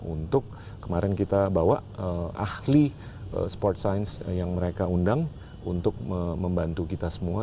untuk kemarin kita bawa ahli sport science yang mereka undang untuk membantu kita semua